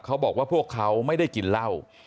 เขาบอกว่าพวกเขาไม่ได้กินเหล้า